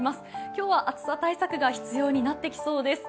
今日は暑さ対策が必要になってきそうです。